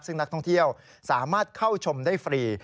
ซึ่งนักท่องเที่ยวสามารถเข้าชมได้ฟรี